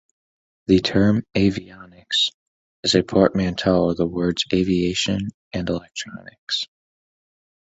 The term "avionics" is a portmanteau of the words "aviation" and "electronics".